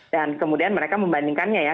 dan kemudian mereka membandingkannya ya